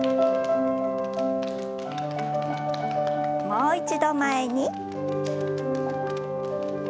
もう一度前に。